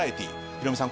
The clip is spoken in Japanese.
ヒロミさん。